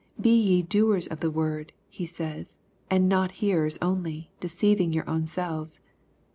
"Be ye doers of the word,^ he says, "and not hearers only, deceiving your own selves."